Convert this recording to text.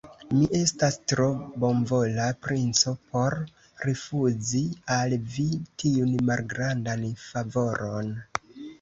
Mi estas tro bonvola princo por rifuzi al vi tiun malgrandan favoron.